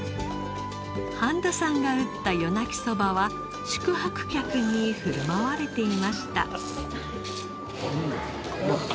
半田さんが打った夜泣きそばは宿泊客に振る舞われていました。